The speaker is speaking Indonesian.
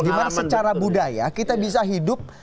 dimana secara budaya kita bisa hidup